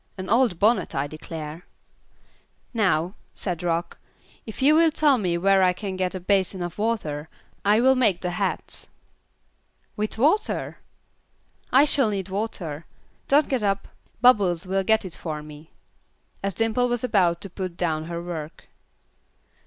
An old bonnet, I declare." "Now," said Rock, "if you will tell me where I can get a basin of water, I will make the hats." "With water?" "I shall need water. Don't get up Bubbles will get it for me," as Dimple was about to put down her work.